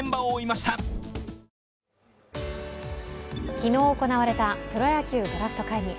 昨日行われたプロ野球ドラフト会議。